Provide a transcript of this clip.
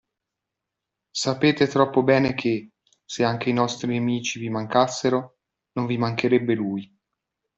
Sapete troppo bene che, se anche i nostri nemici vi mancassero, non vi mancherebbe lui!